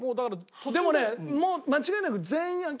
でもねもう間違いなく全員諦めてたし。